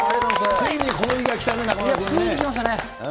ついにこの日が来たね、ついに来ましたね。